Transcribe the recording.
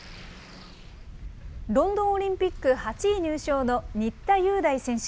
ロンドンオリンピック８位入賞の新田祐大選手。